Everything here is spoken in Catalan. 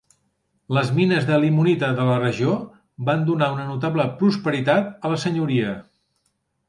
Les mines de limonita de la regió van donar una notable prosperitat a la senyoria.